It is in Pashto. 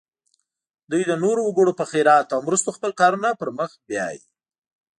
دوی د نورو وګړو په خیرات او مرستو خپل کارونه پر مخ بیایي.